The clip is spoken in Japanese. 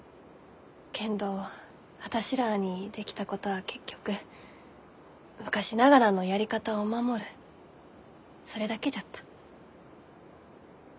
けんど私らあにできたことは結局昔ながらのやり方を守るそれだけじゃった。